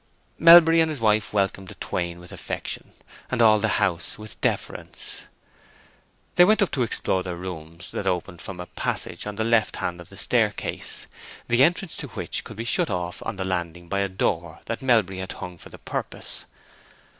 Melbury and his wife welcomed the twain with affection, and all the house with deference. They went up to explore their rooms, that opened from a passage on the left hand of the staircase, the entrance to which could be shut off on the landing by a door that Melbury had hung for the purpose.